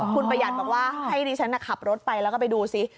คุณประหยัดบอกว่าให้ดิฉันขับรถไปแล้วก็ไปดูซิ